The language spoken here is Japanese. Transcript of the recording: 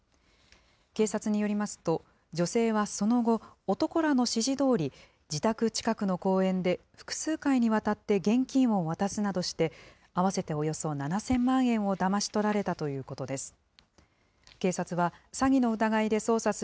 警察によりますと、女性はその後、男らの指示どおり、自宅近くの公園で複数回にわたって現金を渡すなどして、合わせておよそ７０００万円をだまし取られたということです。